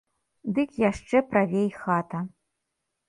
Дык яшчэ правей хата.